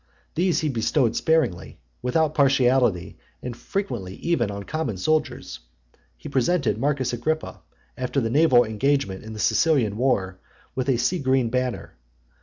These he bestowed sparingly, without partiality, and frequently even on common soldiers. He presented M. Agrippa, after the naval engagement in the Sicilian war, with a sea green banner.